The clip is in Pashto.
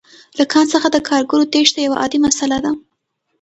له کان څخه د کارګرو تېښته یوه عادي مسئله ده